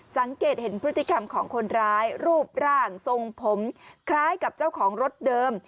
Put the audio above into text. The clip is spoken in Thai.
สังเกตเห็นพฤติกรรมของคนร้ายรูปร่างทรงผมคล้ายกับเจ้าของรถเดิม